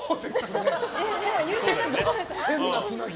変なつなぎ。